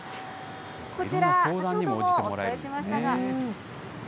こちら、先ほどもお伝えしましたが。